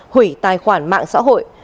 hủy tài khoản mạng xã hội